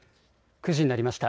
９時になりました。